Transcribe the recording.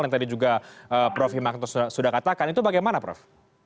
yang tadi juga prof himakto sudah katakan itu bagaimana prof